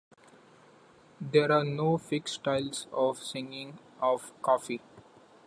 There are no fixed styles of singing of Kafi.